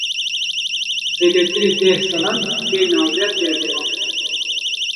Zêdetirî deh salan, bê navber cerdevan bû